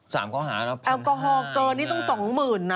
สามข้อหาละ๑๕๐๐บาทแอลกอฮอล์เกินนี่ต้อง๒๐๐๐๐นะ